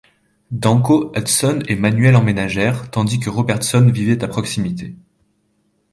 Danko, Hudson, et Manuel emménagèrent, tandis que Robertson vivait à proximité.